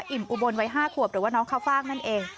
อิ่มอุบลไว้ห้าขวบหรือว่าน้องข้าวฟ่างนั่นเอง